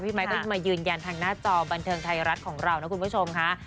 ไมค์ก็มายืนยันทางหน้าจอบันเทิงไทยรัฐของเรานะคุณผู้ชมค่ะ